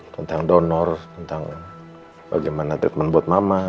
tentang donor tentang bagaimana treatment buat mama